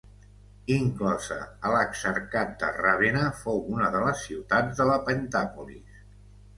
Inclosa a l'Exarcat de Ravenna, fou una de les ciutats de la Pentàpolis.